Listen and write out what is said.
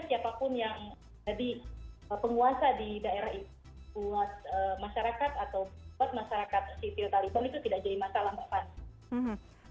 siapapun yang jadi penguasa di daerah itu buat masyarakat atau buat masyarakat sipil taliban itu tidak jadi masalah mbak fani